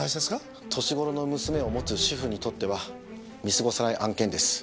年頃の娘を持つ主夫にとっては見過ごせない案件です。